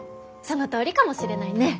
そのとおりかもしれないね！